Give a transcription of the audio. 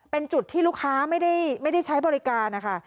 เป็นจุดที่ลูกค้าไม่ได้ใช้บริการนะคะ